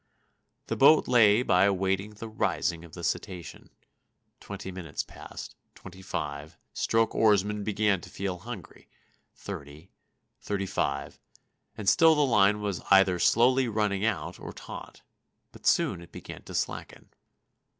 The boat lay by awaiting the "rising" of the cetacean. Twenty minutes passed, twenty five, stroke oarsman began to feel hungry; thirty, thirty five, and still the line was either slowly running out or taut; but soon it began to slacken.